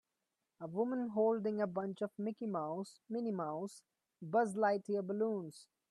A woman holding a bunch of Mickey Mouse, Minnie Mouse, Buzz Lightyear balloons.